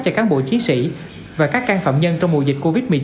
cho cán bộ chiến sĩ và các can phạm nhân trong mùa dịch covid một mươi chín